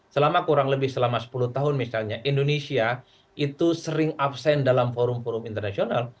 selama kurang lebih selama sepuluh tahun misalnya indonesia itu sering absen dalam forum forum internasional